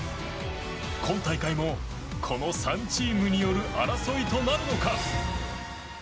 今大会も、この３チームによる争いとなるのか？